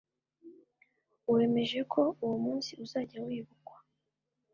wemeje ko uwo munsi uzajya wibukwa